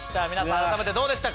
改めてどうでした？